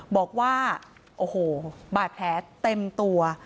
บอกว่าโอ้โหบาดแผลเต็มตัว